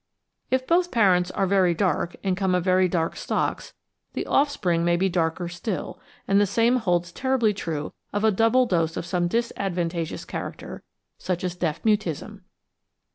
If both parents are very dark and come of very dark stocks, the offspring may be darker still, and the same holds terribly true of a double dose of some disadvantageous char acter, such as deaf mutism.